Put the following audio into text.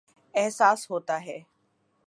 احساس ہوتاہے